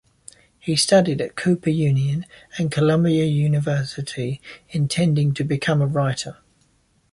He studied at Cooper Union and Columbia University, intending to becoming a writer.